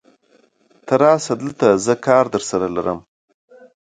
ته راشه دلته، زه کار درسره لرم.